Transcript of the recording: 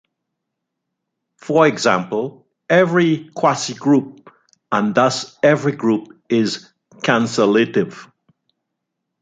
For example, every quasigroup, and thus every group, is cancellative.